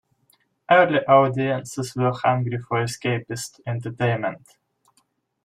Early audiences were hungry for escapist entertainment.